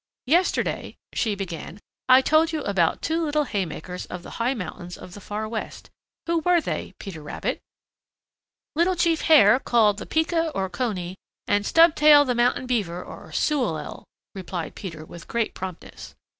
"Yesterday," she began, "I told you about two little haymakers of the high mountains of the Far West. Who were they, Peter Rabbit?" "Little Chief Hare, called the Pika or Cony, and Stubtail the Mountain Beaver or Sewellel," replied Peter with great promptness.